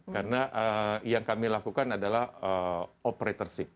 karena yang kami lakukan adalah operatrisik